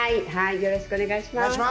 よろしくお願いします。